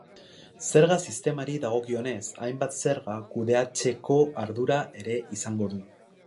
Zerga-sistemari dagokionez, hainbat zerga kudeatzeko ardura ere izango du.